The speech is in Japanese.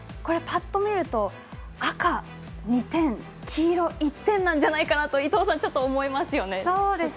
パッと見ると、赤２点黄色１点なんじゃないかと伊藤さん、思いますよね。